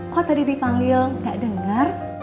kok tadi dipanggil gak dengar